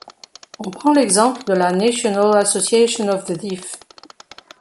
On prend l'exemple de la National Association of the Deaf.